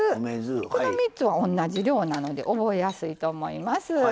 この３つは同じ量なので覚えやすいと思います。